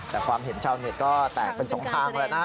แต่ความเห็นชาวเน็ตก็แตกเป็นสองทางแล้วนะ